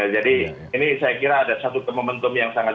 jadi ini saya kira ada satu komponentum yang sangat